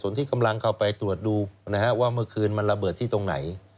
สนที่กำลังเข้าไปตรวจดูว่าเมื่อคืนละเบิดตรงไหน